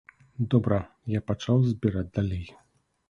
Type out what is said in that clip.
Добра, я пачаў збіраць далей.